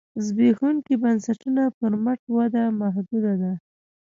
زبېښونکو بنسټونو پر مټ وده محدوده ده.